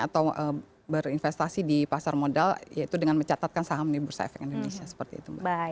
atau berinvestasi di pasar modal yaitu dengan mencatatkan saham di bursa efek indonesia